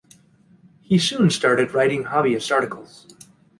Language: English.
He soon started writing hobbyist articles.